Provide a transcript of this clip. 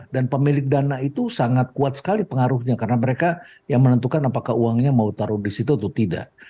dan pemilik dana itu sangat kuat sekali pengaruhnya karena mereka yang menentukan apakah uangnya mau taruh di situ atau tidak